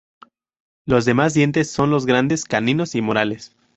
Los demás dientes son los grandes caninos y molares.